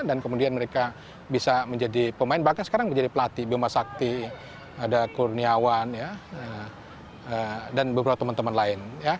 dan kemudian mereka bisa menjadi pemain bahkan sekarang menjadi pelatih bioma sakti ada kurniawan dan beberapa teman teman lain